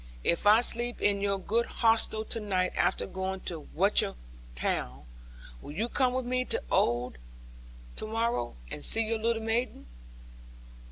If I sleep in your good hostel to night after going to Watchett town, will you come with me to Oare to morrow, and see your little maiden?'